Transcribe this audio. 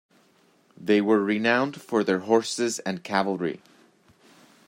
They were renowned for their horses and cavalry.